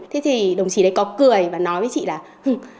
thế thì đồng chí đấy có cười và nói với chị là hưng